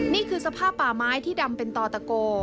นี่คือสภาพป่าไม้ที่ดำเป็นต่อตะโก